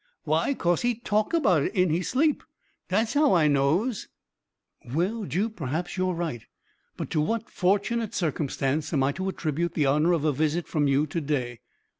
why, 'cause he talk about it in he sleep dat's how I nose." "Well, Jup, perhaps you are right; but to what fortunate circumstance am I to attribute the honor of a visit from you to day?"